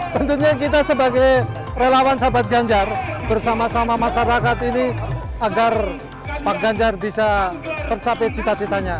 tentunya kita sebagai relawan sahabat ganjar bersama sama masyarakat ini agar pak ganjar bisa tercapai cita citanya